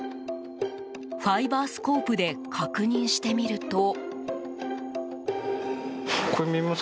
ファイバースコープで確認してみると。